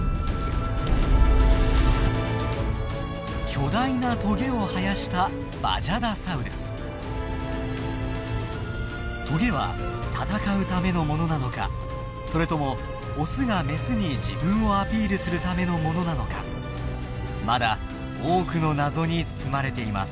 巨大なトゲを生やしたトゲは戦うためのものなのかそれともオスがメスに自分をアピールするためのものなのかまだ多くの謎に包まれています。